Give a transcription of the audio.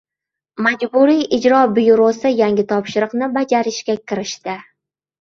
Majburiy ijro byurosi yangi topshiriqni bajarishga kirishdi